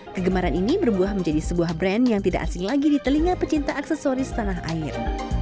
kegemaran ini berbuah menjadi sebuah brand yang tidak asing lagi di telinga pecinta aksesoris tanah air